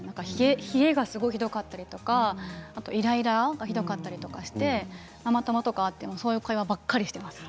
冷えがすごくひどかったりイライラがひどかったりとかしてママ友とか会ってもそういう会話ばかりしています。